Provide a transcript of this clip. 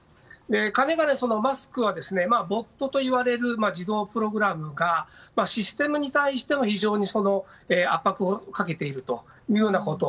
かねがね、マスクはボットといわれる自動プログラムがシステムに対しても非常に圧迫をかけているというようなことを。